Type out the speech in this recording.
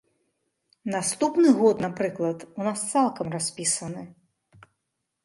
Наступны год, напрыклад, у нас цалкам распісаны.